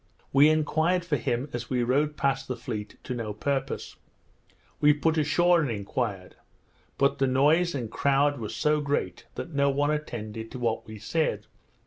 We enquired for him as we rowed past the fleet to no purpose. We put ashore and enquired; but the noise and crowd was so great that no one attended to what we said.